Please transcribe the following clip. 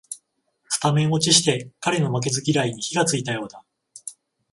スタメン落ちして彼の負けず嫌いに火がついたようだ